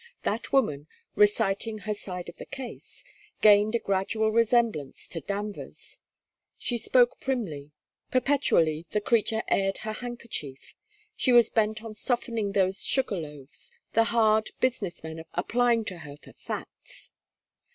That woman, reciting her side of the case, gained a gradual resemblance to Danvers; she spoke primly; perpetually the creature aired her handkerchief; she was bent on softening those sugarloaves, the hard business men applying to her for facts.